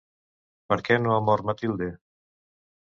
Per què no ha mort Matilde?